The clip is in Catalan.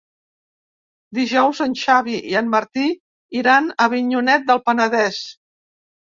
Dijous en Xavi i en Martí iran a Avinyonet del Penedès.